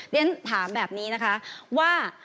ด้วยนั้นถามแบบนี้นะคะว่า